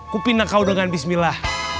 kupindah kau dengan bismillah